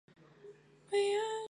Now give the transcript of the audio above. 永嘉后废严道县。